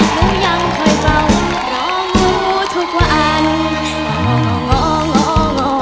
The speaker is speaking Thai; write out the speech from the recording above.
หนูยังค่อยต้องร้องงูทุกวัน